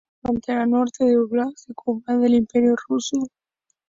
Formaba la frontera norte del óblast de Kubán del Imperio ruso.